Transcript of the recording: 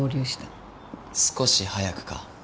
「少し早く」か。